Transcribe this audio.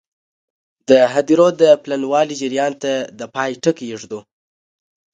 د هدیرو د پلنوالي جریان ته د پای ټکی ږدو.